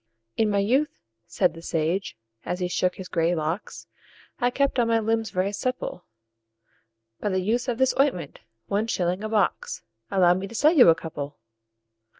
"In my youth," said the sage, as he shook his grey locks, "I kept all my limbs very supple By the use of this ointment one shilling a box Allow me to sell you a couple?"